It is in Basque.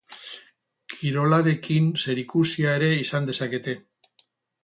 Kirolarekin zer ikusia ere izan dezakete.